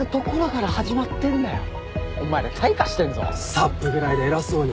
サップぐらいで偉そうに。